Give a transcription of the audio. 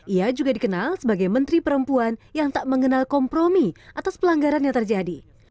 ia juga dikenal sebagai menteri perempuan yang tak mengenal kompromi atas pelanggaran yang terjadi